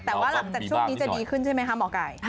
แต่ว่าหลังจากช่วงนี้จะดีขึ้นใช่ไหมคะหมอไก่